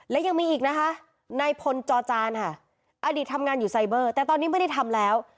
และยังมีอีกนะคะนายพลจอจานค่ะอดีตทำงานอยู่ไซเบอร์แต่ตอนนี้ไม่ได้ทำแล้ว